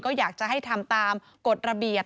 ก็อยากจะให้ทำตามกฎระเบียบ